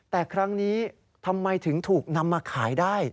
แต่ครั้งนี้ทำไมถึงถูกนำมาขายได้